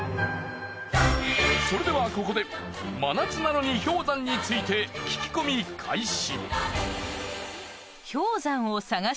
それではここで真夏なのに氷山について聞き込み開始。